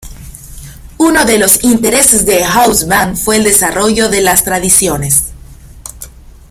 Uno de los intereses de Hobsbawm fue el desarrollo de las tradiciones.